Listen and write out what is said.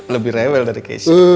lebih rewel dari kesya